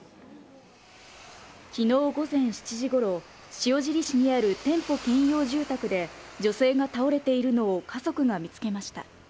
きのう午前７時ごろ、塩尻市にある店舗併用住宅で、女性が倒れているのを家族が見つけました。